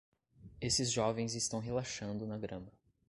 Esses jovens estão relaxando na grama.